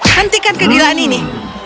hentikan kegilaan ini